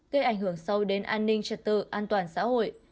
gây ảnh hưởng sâu đến an ninh trật tự an toàn xã hội